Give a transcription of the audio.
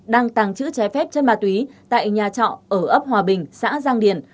đăng tàng chữ trái phép chân ma túy tại nhà trọ ở ấp hòa bình xã giang điền